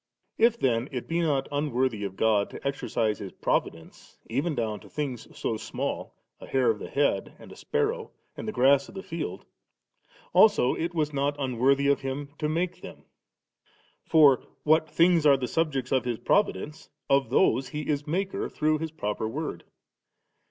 If then it be not unworthy of God to exercise His Providence, even down to things so small, a hair of the head, and a sparrow, and the grass of the field, also it was not unworthy of Him to make them. For what things are the subjects of His Providence, of those He is Maker through His proper Word.